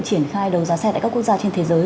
triển khai đầu giá xe tại các quốc gia trên thế giới